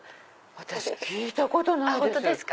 私聞いたことないです。